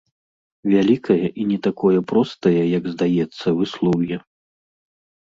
Вялікае і не такое простае, як здаецца, выслоўе.